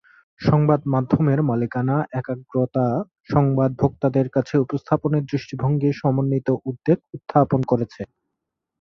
সংবাদমাধ্যমের মালিকানার একাগ্রতা সংবাদ ভোক্তাদের কাছে উপস্থাপনের দৃষ্টিভঙ্গির সমন্বিত উদ্বেগ উত্থাপন করেছে।